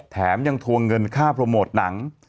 แถมยังทวงเงินค่าโปรโมทหนัง